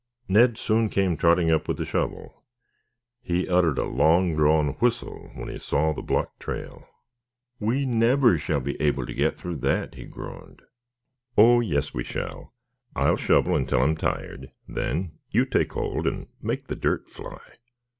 Ned soon came trotting up with the shovel. He uttered a long drawn whistle when he saw the blocked trail. "We never shall be able to get through that," he groaned. "Oh, yes we shall. I'll shovel until I am tired, then you take hold and make the dirt fly."